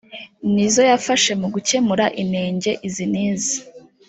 ni izo yafashe mu gukemura inenge izi n’izi